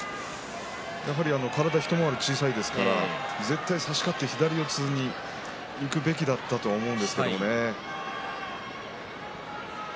体が一回り小さいですから絶対差し勝って左四つにいくべきだったと思うんですけどね。